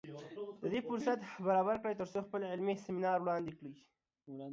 د دې فرصت برابر کړ تر څو خپل علمي سیمینار وړاندې کړي